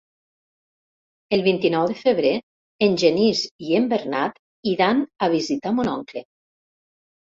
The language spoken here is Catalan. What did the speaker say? El vint-i-nou de febrer en Genís i en Bernat iran a visitar mon oncle.